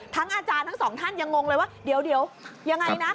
อาจารย์ทั้งสองท่านยังงงเลยว่าเดี๋ยวยังไงนะ